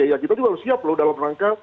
ya kita juga harus siap loh dalam rangka